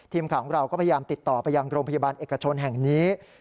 ทีมข่าวของเราก็พยายามติดต่อไปยังโรงพยาบาลเอกชนแห่งนี้